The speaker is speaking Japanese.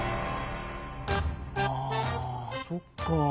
あそっか。